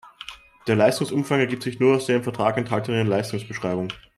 Der Leistungsumfang ergibt sich nur aus der im Vertrag enthaltenen Leistungsbeschreibung.